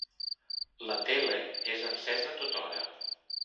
La tele és encesa tothora.